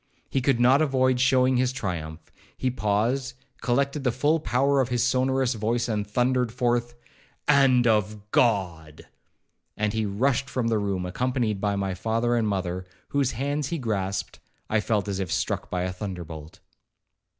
He could not avoid showing his triumph. He paused, collected the full power of his sonorous voice, and thundered forth, 'And of God!' And as he rushed from the room, accompanied by my father and mother, whose hands he grasped, I felt as if struck by a thunderbolt.